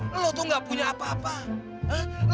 hah lo tuh gak punya apa apa hah